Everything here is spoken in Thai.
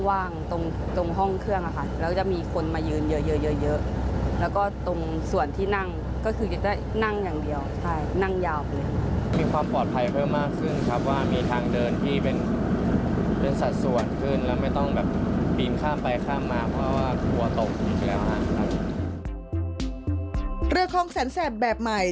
เรื่องของแสนแสบแบบใหม่